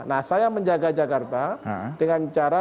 nah saya menjaga jakarta dengan cara